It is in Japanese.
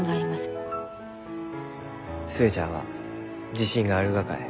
寿恵ちゃんは自信があるがかえ？